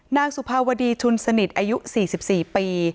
นางสุภาวดีชุนสนิทอายุ๔๔ปี